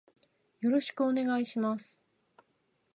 よろしくお願いします。